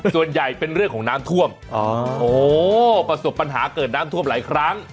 ส่วนใหญ่เป็นเรื่องของน้ำท่วมประสบปัญหาเกิดน้ำท่วมหลายครั้ง